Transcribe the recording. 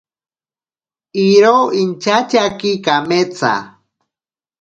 Iro inchatyaki kameetsa.